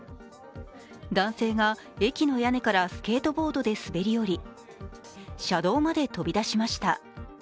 男性が、駅の屋根からスケートボードで滑り降り車道まで飛び出しました。